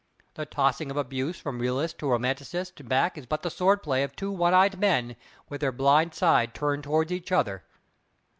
The tossing of abuse from realist to romanticist and back is but the sword play of two one eyed men with their blind side turned toward each other.